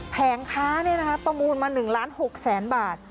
แผงค้าเนี่ยนะคะประมูลมา๑ล้าน๖แสนบาท